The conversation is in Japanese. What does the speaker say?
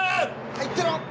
入ってろ！